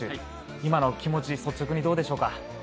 今のお気持ち率直にどうでしょうか。